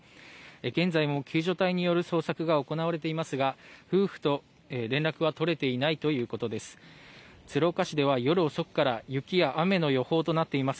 現在も救助隊による捜索が行われていますが夫婦と連絡は取れていないということです。